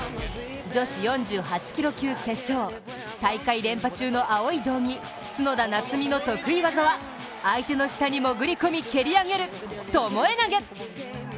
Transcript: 女子４８キロ級決勝、大会連覇中の青い道着、角田夏美の得意技は相手の下に潜り込み蹴り上げるともえ投げ！